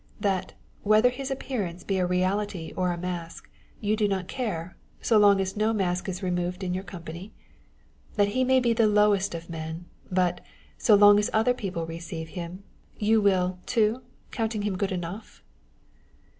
that, whether his appearance be a reality or a mask, you do not care, so long as no mask is removed in your company? that he may be the lowest of men, but, so long as other people receive him, you will, too, counting him good enough?"